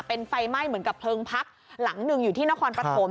เป็นไฟไหม้เหมือนกับเพลิงพักหลังหนึ่งอยู่ที่นครปฐม